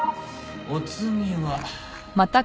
お次は。